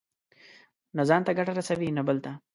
نه ځان ته ګټه رسوي، نه بل ته.